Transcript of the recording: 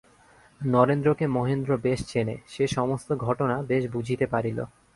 নরেন্দ্রকে মহেন্দ্র বেশ চেনে, সে সমস্ত ঘটনা বেশ বুঝিতে পারিল।